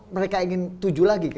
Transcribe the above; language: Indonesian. mereka ingin tuju lagi